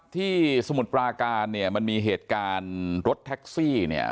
ที่สมุดปราการมันมีเหตุการณ์รถแท็กซี่